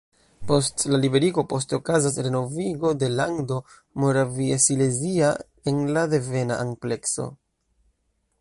Post la liberigo poste okazas renovigo de Lando Moraviasilezia en la devena amplekso.